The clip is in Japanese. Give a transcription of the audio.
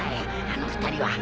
あの２人は。